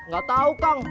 gak tau kang